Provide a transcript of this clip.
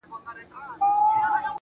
• د هغه ږغ زما د ساه خاوند دی.